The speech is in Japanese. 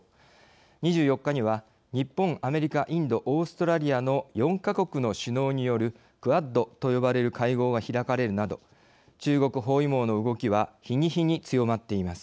２４日には日本アメリカインドオーストラリアの４か国の首脳によるクアッドと呼ばれる会合が開かれるなど中国包囲網の動きは日に日に強まっています。